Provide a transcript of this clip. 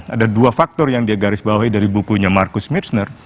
ada dua faktor yang dia garis bawahi dari bukunya marcus mirsner